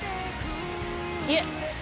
いえ